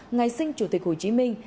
ngày sinh chủ tịch hồ chí minh